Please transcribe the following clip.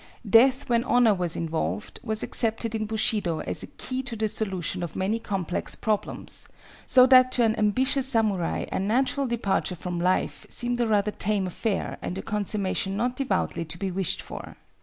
Death when honor was involved, was accepted in Bushido as a key to the solution of many complex problems, so that to an ambitious samurai a natural departure from life seemed a rather tame affair and a consummation not devoutly to be wished for.